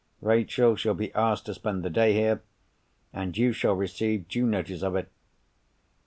Rachel shall be asked to spend the day here; and you shall receive due notice of it."